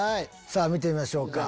さぁ見てみましょうか。